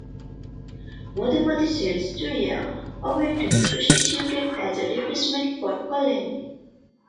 Madhumati sends Chuyia away to be prostituted as a replacement for Kalyani.